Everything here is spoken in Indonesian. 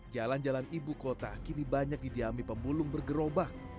jalan jalan ibu kota kini banyak didiami pemulung bergerobak